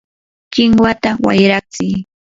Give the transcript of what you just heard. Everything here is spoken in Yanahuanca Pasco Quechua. ¡kinwata wayratsiy!